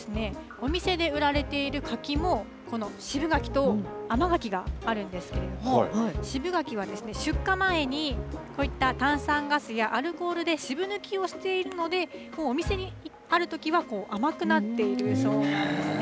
お店で売られている柿もこの渋柿と甘柿があるんですけれども渋柿は出荷前にこういった炭酸ガスやアルコールで渋抜きをしているのでお店にあるときは甘くなっているそうなんです。